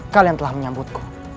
kalian telah menyambutku